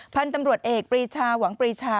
พันธุ์ตำรวจเอกปรีชาหวังปรีชา